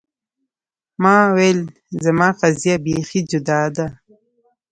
ما ویل زما قضیه بیخي جدا ده.